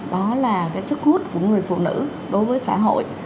đó là cái sức hút của người phụ nữ đối với xã hội